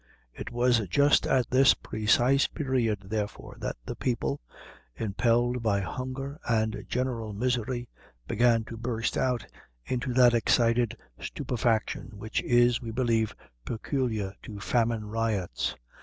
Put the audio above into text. It was just at this precise period, therefore, that the people, impelled by hunger and general misery, began to burst out into that excited stupefaction which is, we believe, peculiar to famine riots.